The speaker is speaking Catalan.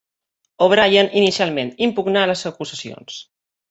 O'Brien inicialment impugnà les acusacions.